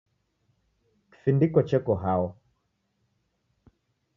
Kifindiko cheko hao?